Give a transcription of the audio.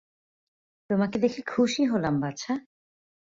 তোমাকে দেখে খুশি হলাম, বাছা।